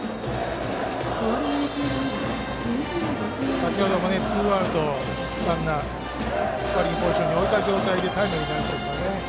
先ほどもツーアウト、ランナーをスコアリングポジションに置いた状態でタイムリーになりましたから。